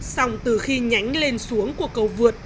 xong từ khi nhánh lên xuống của cầu vượt